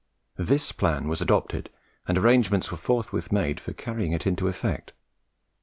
This plan was adopted, and arrangements were forthwith made for carrying it into effect.